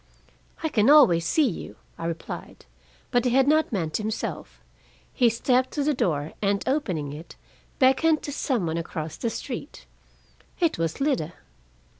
"I can always see you," I replied. But he had not meant himself. He stepped to the door, and opening it, beckoned to some one across the street. It was Lida!